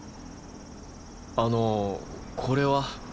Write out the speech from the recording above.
あのこれは？